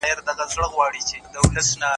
په بازارونو کي باید کيفيت کنټرول وي.